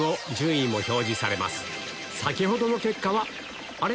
先ほどの結果はあれ？